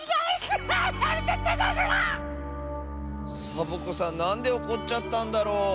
サボ子さんなんでおこっちゃったんだろう。